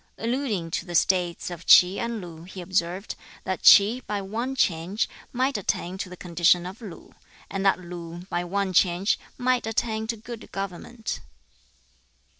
Alluding to the States of Ts'i and Lu, he observed, that Ts'i, by one change, might attain to the condition of Lu; and that Lu, by one change, might attain to good government.